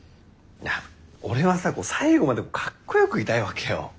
俺はさ最期までかっこよくいたいわけよ。